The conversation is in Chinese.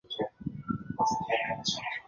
生长在山坡灌丛及高草丛中。